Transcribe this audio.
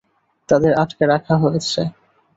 তাদের আটকে রাখা হয়েছে।